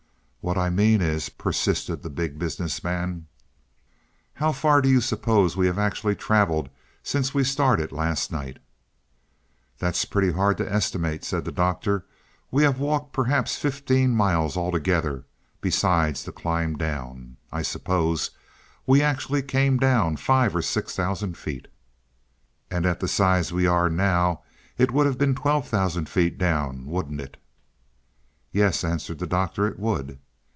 "What I mean is " persisted the Big Business Man. "How far do you suppose we have actually traveled since we started last night?" "That's pretty hard to estimate," said the doctor. "We have walked perhaps fifteen miles altogether, besides the climb down. I suppose we actually came down five or six thousand feet." "And at the size we are now it would have been twelve thousand feet down, wouldn't it?" "Yes," answered the Doctor, "it would."